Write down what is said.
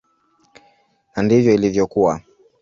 Na ndivyo ilivyokuwa.